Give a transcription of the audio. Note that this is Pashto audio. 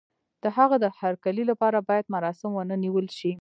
د هغه د هرکلي لپاره بايد مراسم ونه نيول شي.